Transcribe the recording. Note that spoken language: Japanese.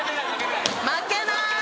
負けない！